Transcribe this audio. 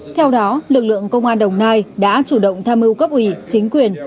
theo đó lực lượng công an đồng nai đã chủ động tham mưu cấp ủy chính quyền